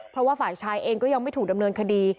เพราะว่าฝ่ายชายเองก็ยังไม่ถูกดำเนินคดี